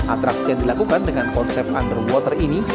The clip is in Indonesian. atraksi yang dilakukan dengan konsep underwater ini